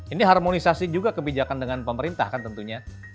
ini harmonisasi juga kebijakan dengan pemerintah kan tentunya